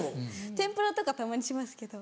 天ぷらとかたまにしますけど。